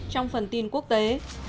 trong phần tin quốc tế